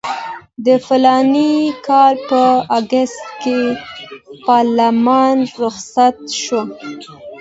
د فلاني کال په اګست کې پارلمان رخصت شو.